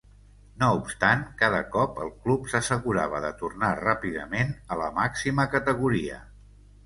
No obstant, cada cop el club s'assegurava de tornar ràpidament a la màxima categoria.